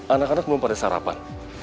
anak anak belum pada sarapan